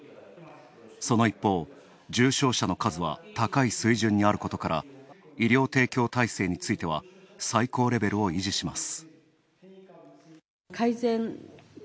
その一方、重症者の数は高い水準にあることから医療提供体制については最高レベルを維持します。